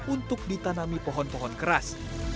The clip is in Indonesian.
untuk ditanami pohon pohon keras